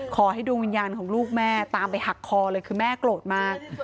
ขอให้ดวงวิญญาณของลูกแม่ตามไปหักคอเลยคือแม่โกรธมาก